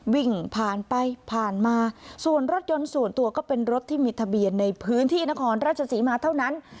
วิ่งผ่านไปผ่านมาส่วนรถยนต์ส่วนตัวก็เป็นรถที่มีทะเบียนในพื้นที่นครราชศรีมาเท่านั้น